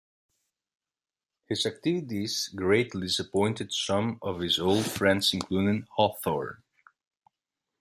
His activities greatly disappointed some of his old friends, including Hawthorne.